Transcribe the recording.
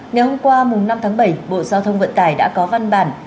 ngày hôm qua năm tháng bảy bộ giao thông vận tải đã có văn bản